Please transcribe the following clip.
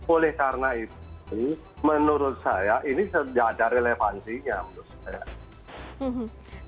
oleh karena itu menurut saya ini sudah ada relevansinya menurut saya